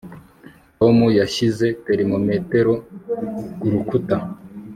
Tom yashyize termometero kurukuta